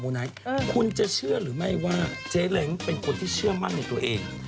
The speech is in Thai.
พี่เห็นเปล่าว่าการเปลี่ยนแปลงสวยขึ้นเยอะมากจริง